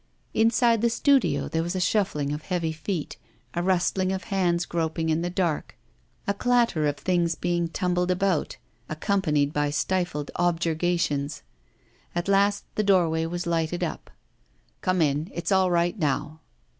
Inside the studio there was a shuffling of heavy feet, a rustling of hands groping in the dark, a clatter of things being tumbled about, accompanied by stifled objurgations. At last the doorway was lighted up. 'Come in, it's all right now.